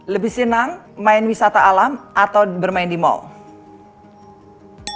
lebih senang main wisata alam atau bermain di mall